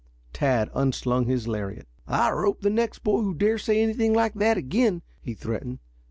Tad unslung his lariat. "I'll rope the next boy who dares say anything like that again," he threatened.